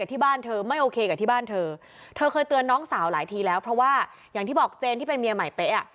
เธอเคยเตือนน้องสาวหลายทีแล้วเพราะว่าอย่างที่บอกเจนที่เป็นเมียใหม่เป๊ะอะ